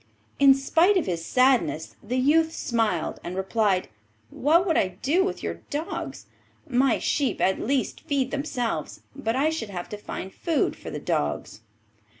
In spite of his sadness, the youth smiled and replied, 'What would I do with your dogs? My sheep at least feed themselves, but I should have to find food for the dogs.